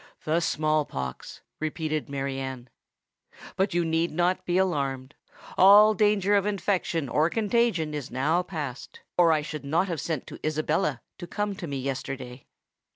"The small pox," repeated Mary Anne. "But you need not be alarmed: all danger of infection or contagion is now past—or I should not have sent to Isabella to come to me yesterday."